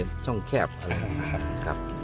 ตอนนี้เจออะไรบ้างครับ